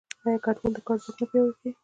آیا کډوال د کار ځواک نه پیاوړی کوي؟